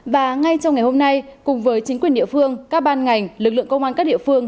và ngay trong ngày hôm nay cùng với chính quyền địa phương các ban ngành lực lượng công an các địa phương